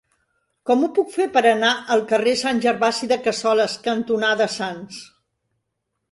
Com ho puc fer per anar al carrer Sant Gervasi de Cassoles cantonada Sants?